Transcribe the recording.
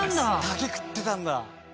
竹食ってたんだ。